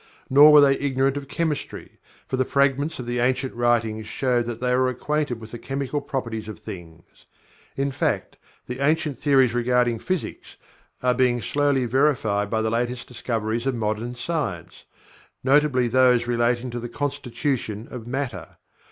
Nor were they ignorant of Chemistry, for the fragments of the ancient writings show that they were acquainted with the chemical properties of things; in fact, the ancient theories regarding physics are being slowly verified by the latest discoveries of modern science, notably those relating to the constitution of matter.